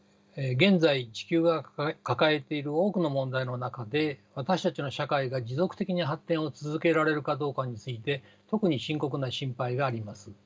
現在地球が抱えている多くの問題の中で私たちの社会が持続的に発展を続けられるかどうかについて特に深刻な心配があります。